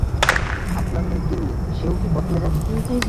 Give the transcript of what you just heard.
আপনার মেয়ে তিন্নি, সেও কি বদমেজাজি?